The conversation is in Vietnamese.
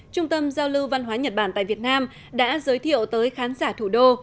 trung tâm giao lưu văn hóa nhật bản tại việt nam đã giới thiệu tới khán giả thủ đô